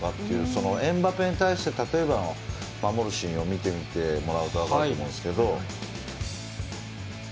そのエムバペに対して例えば守るシーンを見てもらえば分かると思うんですけど。